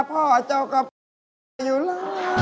พ่อเจ้าก็อยู่ละ